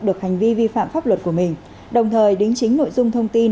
được hành vi vi phạm pháp luật của mình đồng thời đính chính nội dung thông tin